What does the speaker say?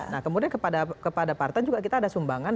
nah kemudian kepada partai juga kita ada sumbangan